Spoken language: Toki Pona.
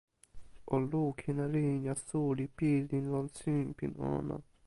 o lukin e linja suli pilin lon sinpin ona.